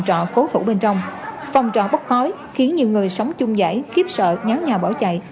thủ bên trong phòng trò bốc khói khiến nhiều người sống chung giải khiếp sợ nháo nhào bỏ chạy